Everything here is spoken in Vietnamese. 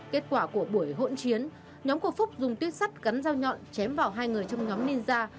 kết quả của buổi hỗn chiến nhóm của phúc dùng tuyết sắt cắn dao nhọn chém vào hai người trong nhóm nisa